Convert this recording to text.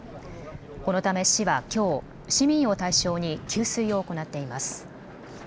このため市はきょう市民を対象に給水を行っています。